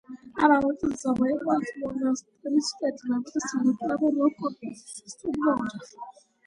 ამავე წელს ამოიყვანეს მონასტრის კედლები, სამრეკლო, რვა კორპუსი, სასტუმრო ოთახი.